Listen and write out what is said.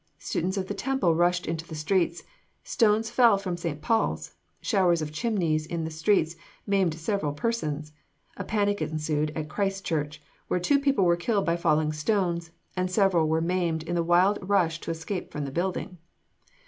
Students of the Temple rushed into the streets; stones fell from St. Paul's; showers of chimneys in the streets maimed several persons; a panic ensued at Christ Church, where two people were killed by falling stones, and several were maimed in the wild rush to escape from the building.